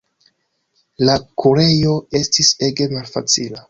La kurejo estis ege malfacila.